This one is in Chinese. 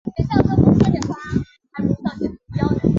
二肋商鞅介为半花介科商鞅介属下的一个种。